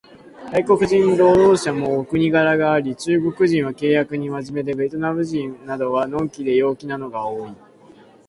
外国人労働者もお国柄があり、中国人は契約に真面目で、ベトナムなどは呑気で陽気なのが多い